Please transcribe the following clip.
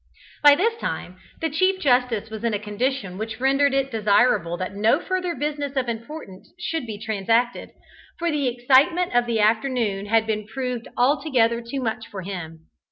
By this time the Chief Justice was in a condition which rendered it desirable that no further business of importance should be transacted, for the excitement of the afternoon had proved altogether too much for him.